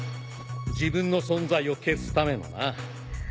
自分の存在を消すためのな。